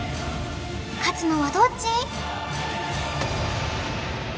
勝つのはどっち？